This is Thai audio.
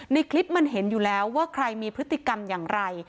ในคลิปมันเห็นอยู่แล้วว่าใครมีพฤติกรรมอย่างไร